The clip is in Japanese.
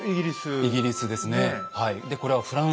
イギリスですねはい。